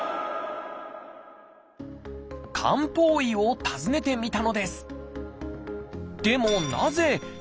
漢方医を訪ねてみたのです。